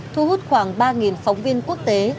thu hút khoảng ba phóng viên quốc tế